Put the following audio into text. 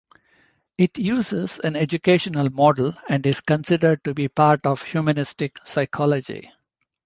It uses an educational model and is considered to be part of humanistic psychology.